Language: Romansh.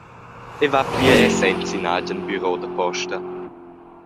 Ei va pia era senza in agen biro da posta.